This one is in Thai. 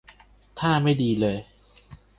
ถ้าไม่ดีเลย์